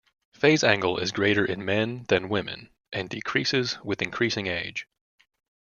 Phase angle is greater in men than women, and decreases with increasing age.